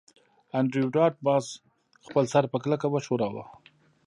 انډریو ډاټ باس خپل سر په کلکه وښوراوه